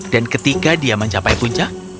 dan ketika dia mencapai puncak